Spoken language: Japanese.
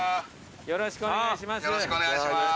よろしくお願いします。